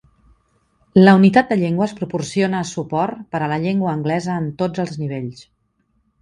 La unitat de llengües proporciona suport per a la llengua anglesa en tots els nivells.